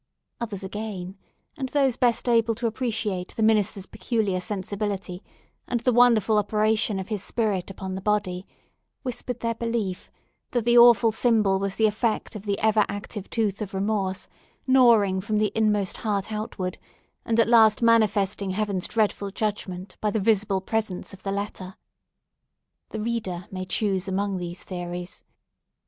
Others, again and those best able to appreciate the minister's peculiar sensibility, and the wonderful operation of his spirit upon the body—whispered their belief, that the awful symbol was the effect of the ever active tooth of remorse, gnawing from the inmost heart outwardly, and at last manifesting Heaven's dreadful judgment by the visible presence of the letter. The reader may choose among these theories.